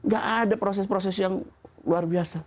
gak ada proses proses yang luar biasa